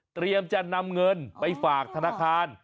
เตรียมจะนำเงินไปฝากธนาคาร